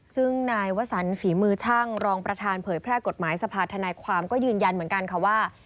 ซึ่งนายวสันฝีมือช่างรองประธานเผยแพร่กฎหมายสภาธนายความก็ยืนยันเหมือนกันค่ะว่า